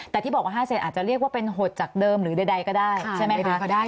แต่ที่บอกว่า๕เซนอาจจะเรียกว่าเป็นหดจากเดิมหรือใดก็ได้ใช่ไหมคะ